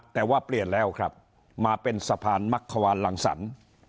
แต่ว่าเปลี่ยนแล้วครับมาเป็นสะพานมักขวานรังสรรค์